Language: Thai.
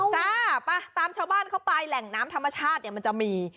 จ้าไปตามชาวบ้านเข้าไปแหล่งน้ำธรรมชาติเนี่ยมันจะมี